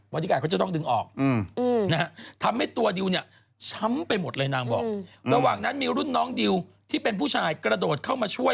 บอดิการ์ดเขาจะต้องดึงออก